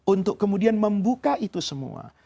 untuk kemudian membuka itu semua